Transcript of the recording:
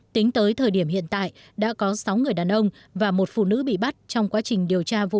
tính tới thời điểm hiện tại đã có sáu người đàn ông và một phụ nữ bị bắt trong quá trình điều tra vụ án